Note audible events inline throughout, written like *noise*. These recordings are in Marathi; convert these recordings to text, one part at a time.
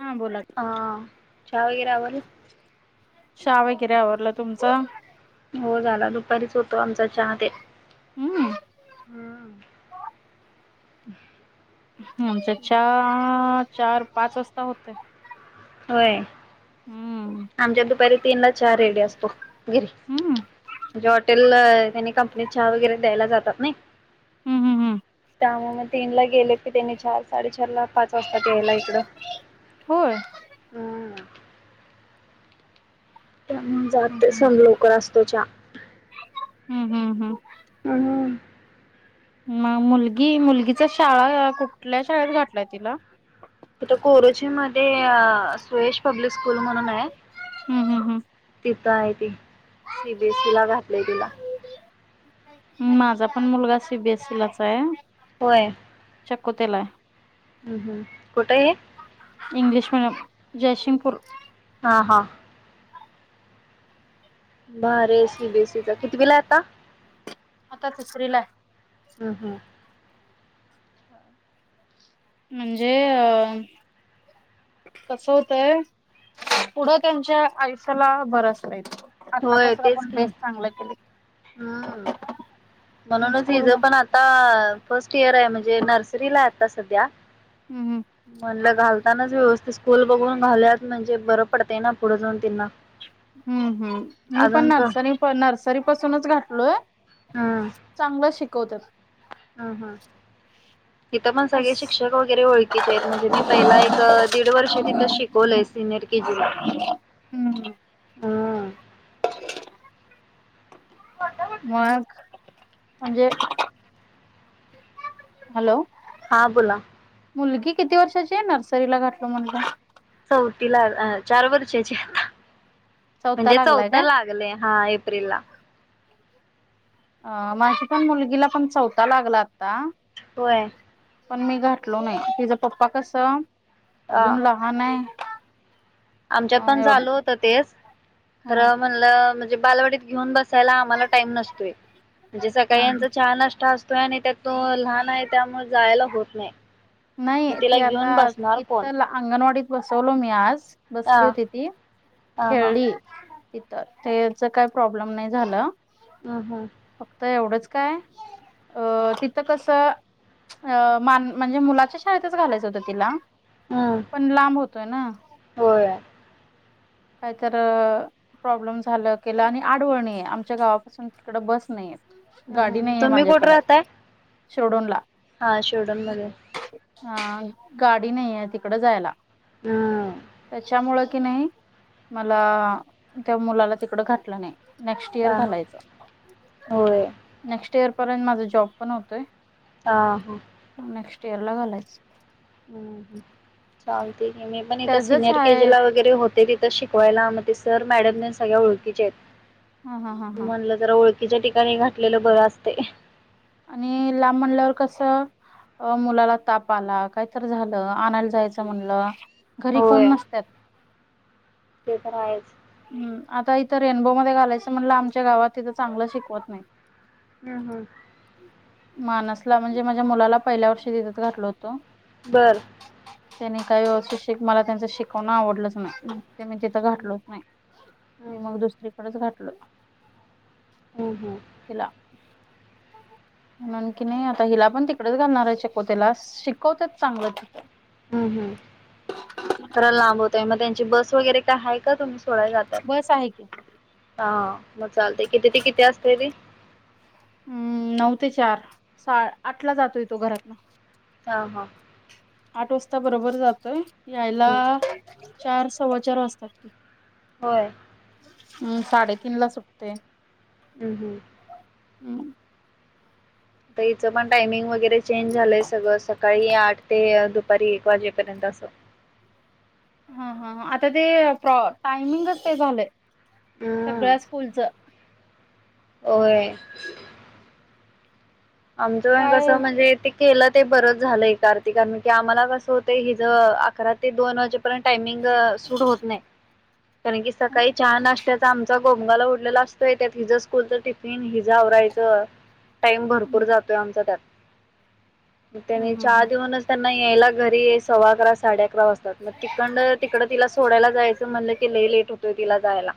हा बोला की, हा चहा वगैरे आवारला चहा वगैरे आवरलं तुमचं हो झाला दुपारीच होतो आमचा चहा ते हम्म हम् हम् आमच्या चार चार पाच वाजता होतोय होय आमच्यात दुपारी तीन ला चहा रेडी असतो *unintelligible* हम्म त्यांनी कंपनीत चहा वगैरे द्यायला जातात ना हम्म हम्म हम्म त्या म तीन ला गेले की त्यांनी चार साडेचार ला पाच वाजताात यायला इकडं होय *unintelligible* हम्म लवकर असतो चहा हम्म हम्म हम्म हम्म मग मुलगी मुलगीच्या शाळा कुठल्या शाळेत घातलाय तिला इथे कोरची मध्ये सुयश पब्लिक स्कूल म्हणून आहे हम्म हम्म तिथं आहे त सीबीएसई ला घातलीय तिला माझा पण मुलगा सीबीएसई लाच आहे होय *unintelligible* हम्म हम्म कुठे आहे इंग्लिश मीडियम जयसिंगपूर हा हा बर एसी बेसीचा कितीवीला आता आता तिसरी ला हम हां म्हणजे अ कस होतय पुढं त्यांच्या आयष्याला बरच हाय होय आतापसून तेच आपण की बेस चांगलं केले हम्म म्हणूनच स्कूल हिज म पण आता र आहे म्हणजे नर्सरी ला आहे आता सध्या हम्म म्हणलं घालतानाच व्यवस्थित स्कूल बघून घालूयात म्हणजे बरं पडतय ना पुढे जाऊन त्यांना हम्म हम्म मी पण अजून का नर्सरी नर्सरी पासूनच घातलोय चांगलं शिकवतात हम हम तिथं मण अस सगळे शिक्षक वगैरे ओळखीचे आहेत म्हणजे मी पहिला एक दीड वर्ष तिथं शिकवलंय सिनियर के जिला हम्म मग म्हणजे हॅलो हा बोला मुलगी किती वर्षाची आहे नर्सरीला घातल म्हणला हो तिला चार वर्षाची आहे आता चौथा म्हणजे लागलाय चौथं काय? लागलय हा एप्रिल ला अ माझी पण मुलगीला पण चौथा लागला आता होय पण मी घातलो नाही तिचा पप्पा कस अ अजून लहान आहे आमच्यात पण एवढ चालू होत तेच ह खरं म्हणलं म्हणजे बालवडीत घेऊन बस आम्हाला टाईम नसतोय म्हणजे सकाळी ह यांचा नाष्टा असतो आणि त्या तो लहान आहे त्यामुळे जायला होत नाही नाही मग तिला ते आता घेऊन बसणार इ कोण अंगणवाडीत बसवलो मी आज ह बसली होती ती ह ह खेळली तर त्याच काही प्रॉब्लेम नाही झालं ह हा फक्त एवढंच काय तिथ कस मान म्हणजे मुला शाळेतच घालायचं होतं तिला हम्म पण लांब होतोय ना होय काहीत प्रॉब्लेम झालं केलं आणि आडवळणी आमच्या गावापासून तिकडं बस नाही हम्म गाडी हम्म नाहीये तुम्ही कुठे माझ्याकडं राहताय? सोडून ला हा शोडून मध्ये हा गाडी नाही आहे तिकड जायला हम्म त्याच्यामुळे किनय नाही मला त्या मुलाला तिकडं घातलं नाही नेक्स्ट इयर हा घालायच होय नेक्स्ट इयर पर्यंत माझ जॉब पण होतोय ह ह लागलाच चालते मी पण इथं त्याचच सिनियर केजी आहे ला वगैरे होते तिथं शिक वायला मग ते सर मॅडम न सगळ्या ओळखीचे हा हा हा आहेत हा म्हणलं जरा ओळख तिच्या ठिकाणी घातलेलं बरं असते आणि लांब म्हणल्यावर कस अ मुलाला ताप आला कायतर झालं आणायला जायचं म्हणलं घरी कोण होय नसतात ते तर आहेच. हम् आता इथं रेनबोमध्येध्ये घालायचं म्हणलं आमच्या गावात तिथं चांगलं शिकवत नाही हम्म हम्म मानसला म्हणजे माझ्या मुलाला पहिल्या वर्षी दिेतत घातल होतो बर त्यांनी काही व्यवस्थित श मला त्यांच शिकवण आवडलंच नाही ते मी तिथं हम् घातलच नाही मी मग हम् दुसरीकडेच घटलो हम् हम् *unintelligible* म्ह की नाही आता हिला पण तिकडेच घालणार आहे शिकवतेला शिकवतच चांगलं तिथं हम्म हम् खरां लांब होतय मग त्यांची बस वगैरे काय आहे का तुम्ही थोड जातात बस आहे की हा मग चालते किती ते किती असते री हम्म नऊ ते चार सा आठला जातोय तो घरातन ह हां आठ वाजता बरोबर जातोय यायला हम्म. चार सव्वा चार वाजताात हो हम् साडेतीन ला सुटते हम् हम्म हम्म तर इचं पण टायमिंग वगैरे चेंज झालंय सगळं सकाळी आठ ते दुप तरी एक वाजक दसो हा हा आता ते प्रॉ टायमिंगच ते झालंय सगळ्या स्कूलच हो आमचं काय कसं म्हणजे ते केलं ते बरंच झालं एक आरती कारण की आम्हाला कसंतंय हि ज अकरा ते दोन वाजे प्र टायमिंग.. सूट होत नाही कारण, की सकाळी च्या नाष्टाचा आमचा गोमगाला उडलेला असतोय त्यात हिजं स्कूलच टिफिन हिजं आवरायचं टाईम भरपूर भरपूर हम्म जातोय आमचा त्यात त्यांनी हम्म चहा हम्म देऊनच त्यांना यायला घरी सव्वा अकरा साडे अकरा वाजतात मग तिकड- तिकडं तिला सोडायला जायचं म्हणलं कलंही लेट होतोय तिला जायला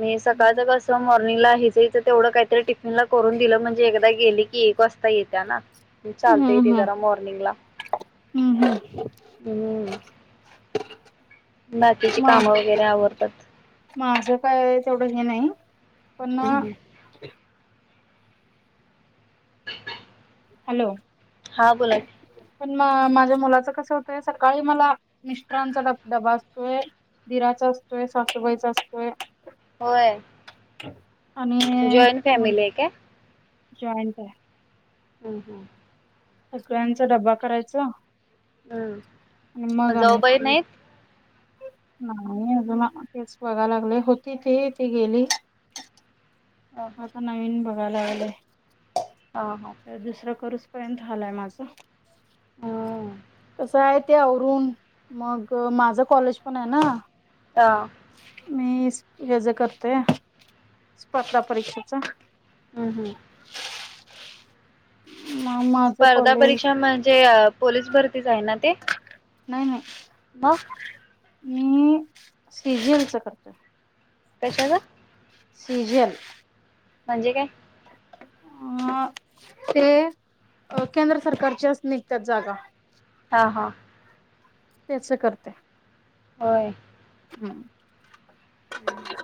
मी हम्म सकाळचं कसं मॉर्निंगला हिच -हिच तेवढं काहीतरी टिफिनला करून दिलं म्हणजे आता गेली की एक वाजता येत्या ना चालता येतय हम्म जरा मॉर्निंगला हम्म हम्म. हम्म बाकीची म काम वगैरे आवरतात *inaudible* माझं काय तेवढं हे नाही पण हम्म *inaudible* हॅलो हा बोला की म माझ्या मुलाच कस होतय सकाळी मला मिस्टरांचा डबा असतोय दिराचा असतोय, सासूबाईंचा असतोय होय आणि जॉईंट मुल फॅमिली आहे काय जॉइंट आहे हम् हम सगळ्यांचा डब्बा करायच हम् आणि मग आम्ही फ्री नाही अजून तेच बघालागलोय होती ती ती गेली *inaudible* आता नवीन बघालागलय *inaudible* हा हा तर दुसरं करून पर्यंत झालाय माझं हं... कसं आहे ते आवरून मग माझं कॉलेज पण आहे ना हा मीच हेज करतोय स्पर्धा परीक्षेच हम्म- हम्म मग माझं स्पर्धा कॉलेज परीक्षा म्हणजे पोलीस भरतीच आहे ना ते नाही- नाही मग मी सीजीएलच करतोय कशाचा? सिजिएल म्हणजे काय? अ ते केंद्र सरकारचेच निघतात जागा *inaudible* हा- हा त्याच करतोय होय हम्म हम्म *inaudible*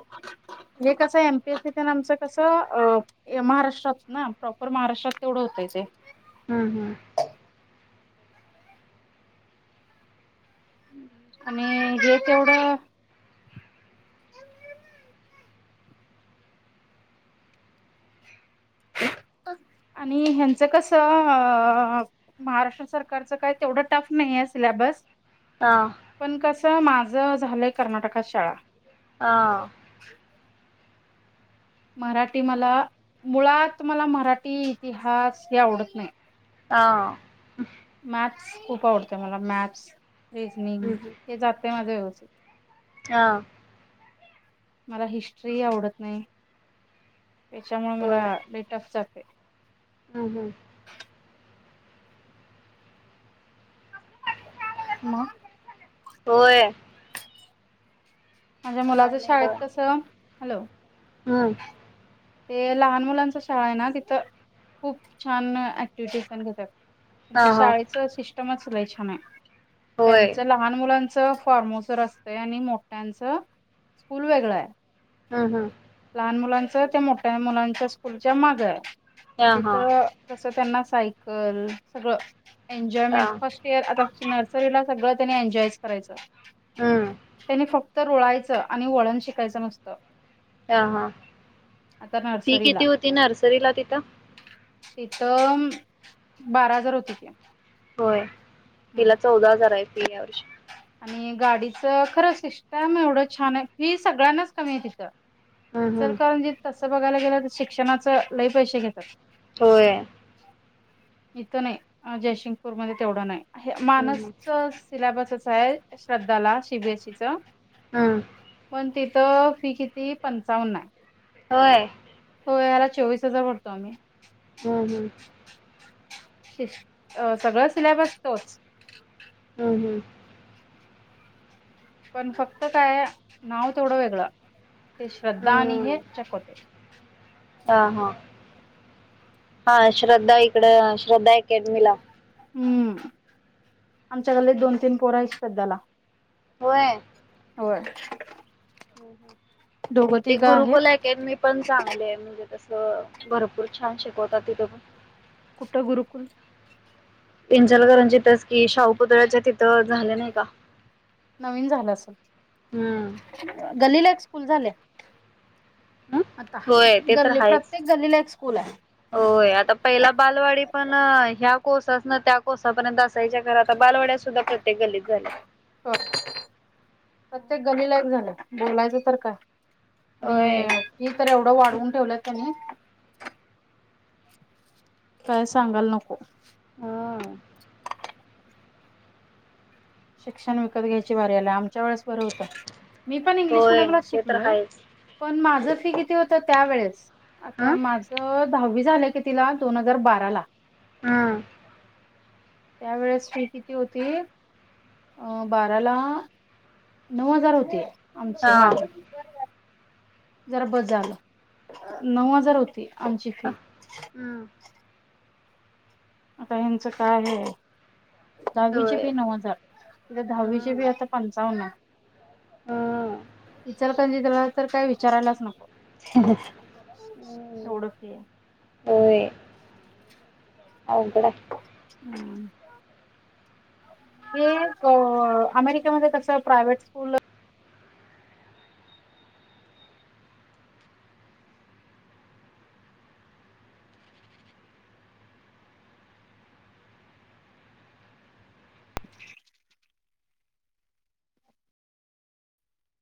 हे कस एमपीएसी आमच कस महाराष्ट्रात ना प्रॉपर महाराष्ट्रात तेढ होतय ते हम्म हम्म आणि *inaudible* हे ते तेवढं *inaudible* आणि ह्येंचं कसं महाराष्ट्र सरकारचं काय तेवढ टफ नाही आहे सिलेबस हा माझं झालंय कर्नाटकात शाळा हा मराठी मला मुळात मला मराठी इतिहास हे आवडत नाही. हा. मॅथस खूप आवडत मला मॅथस रेसनिंग हं, हं. हे जात माझे *inaudible* हा. मला हिस्ट्री आवडत नाही, त्याच्यामुळे मला लय टफ जातय. ह हं. मग *unintelligible* होय. माझ्या मुलाच काय शाळेत कसं हॅलो. हम्म. ते लहान मुलांच शाळा आहे ना, तिथं खूप छान ऍक्टिव्टीट्यूशन पण घेतात. हा, त्यां हा. शाळेच सिस्टमच लई छान आहे होय. त्यांच लहान मुलांच फॉर्मसर असतं आणि मोठ्यांच स्कूल वेगळं आहे. हं हं. आन मुलांच त्या मोठ्या मुलांच्या स्कूलच्या माग ये हा, हा. तिथं त्यांना सायकल सगळ हा. एजॉयमेंट फस्ट इयर आता नर्सरीला सगळ त्यानी एनजॉयच करायचं हं. त्यानी फक तर रोळायचं आणि वळण शिकायचं नसतं. हा हा फी नर्सरीला किती होती नर्सरीला तिथं? तिथं बारा हजार होती. होय हम्म तिला चौदा हजार आहे. फी या वर्षी आणि गाडीचं खरं सिस्टम एवढं छान आहे फी सगळ्यांनाच कमी आहे तिथं. हं, हं. इचलकरंजीत तसं बघायला गेलं तर शिक्षणाच लय पैसे घेतात. होय. इथं नाही जयसिंगपूरमध्ये तेवढं नाही हं, हं. मानसच सिलेबसच शाळेत श्रद्धाला सीबीएसई च ह. तर फी किती पंचावन्न आहे. होय. हो याला चोवीस हजार भरतो आम्ही. ह ह. शक्ष सगळ सिलेबस तोच हं हं. पण फक्त काय नाव तेवडं वेगळं. ती श्रद्धा आणि हे हं. चकोते. हा, हा. हा श्रद्धा इकड श्रद्धा अकॅडमीला. हम्म आमच्याकडले दोन, तीन, पोर आहेत श्रद्धाला. होय. होय. दोघं ते तिघं गुरुकुला आहेत अकॅडमी पण चांगले आहे म्हणजे तसं भरपूर छान शिकवतात तिथे पण. कुठ गुरुकुल? इंचलकरांजितच कि शाहू पुुतळ्याच्या तिथं झाले नाही का? नवीन झालं अस हम्म. गल्लीला एक स्कूल झाले. ह. आता गल्ली प्रत्येक गल्लीला एक स्कूल आहे. होय आता पहिला बालवाडी पण ह्या कोस ना, त्या कोसापर्यंत असाईच्या घरात बालवड्या सुद्धा प्रत्येक गलित झाल्या. हो प्रत्येक गलीला यक झालं बोलायचं तर काय? होय आणि ती तर एवढं वाढवून ठेवलंय त्यांनी काय सांगायला नको हम्म शिक्षण विकत घ्यायची बारी आली आम्ह च्या वेळेस बरं होत. मी पण इंग्लीश होय मीडियम ला ते तर शिकलो हे आहेच. पण माझ किती होत त्यावेेळेस आता हम्म माझ दहावी झालं कि तिला दोन हजार बारा ला हम्म. त्या वेळेस फी किती होती अ बारा ला नऊ हजार होते हा आमची माझ जरा बजाल नऊ हजार होती आमची फी हम्म आता हचं काय आहे दहावीची होय. बी नऊ हजारे दहावीची हम्म बी आता पंचावन्न हम्म इचारतणज त्याला तर काय विचारायलाच नको उवडफी हो अघडा हम् हे अमेरिकेमध्ये कस प्रायव्हेट स्कूल